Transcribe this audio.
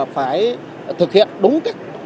phải thực hiện đúng